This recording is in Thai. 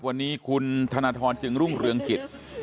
วันนี้คุณธนทรจึงรุ่งเรืองกิจ